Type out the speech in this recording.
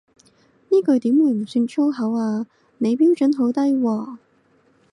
呢句點會唔算粗口啊，你標準好低喎